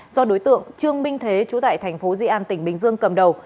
do đối tượng trương minh thế chú tại thành phố di an tỉnh bình dương cầm đầu